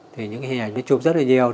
thì những hẻ chụp rất là nhiều